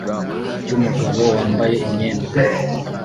cyumugabo wambaye imyenda